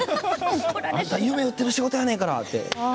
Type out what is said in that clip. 夢を売っている仕事やねんからって。